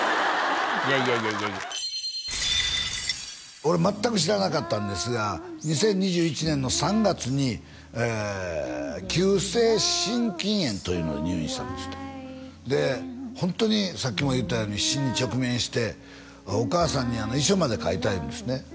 いやいやいやいや俺全く知らなかったんですが２０２１年の３月に急性心筋炎というので入院したんですってでホントにさっきも言うたように死に直面してお母さんに遺書まで書いたいうんですね